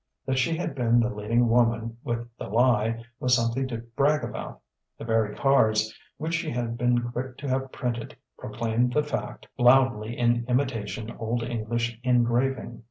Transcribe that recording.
That she had been the leading woman with "The Lie" was something to brag about: the very cards which she had been quick to have printed proclaimed the fact loudly in imitation Old English engraving.